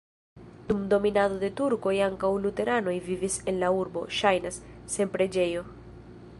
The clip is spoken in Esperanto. Dum dominado de turkoj ankaŭ luteranoj vivis en la urbo, ŝajnas, sen preĝejo.